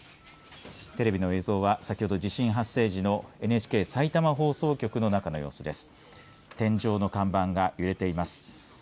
テレビの映像は先ほど地震発生時のＮＨＫ埼玉放送局の中の様子です。